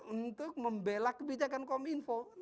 untuk membela kebijakan kom info